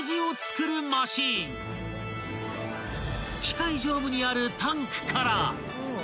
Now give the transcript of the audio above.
［機械上部にあるタンクから］